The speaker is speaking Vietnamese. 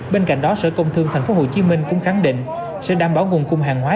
bên cạnh đó sở công thương tp hcm cũng khẳng định sẽ đảm bảo nguồn cung hàng hóa